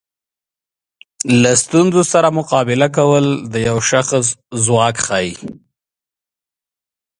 له ستونزو سره مقابله کول د یو شخص ځواک ښیي.